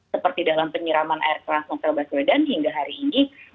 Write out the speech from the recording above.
seperti dalam penyiraman air transnotel baswedan hingga hari ini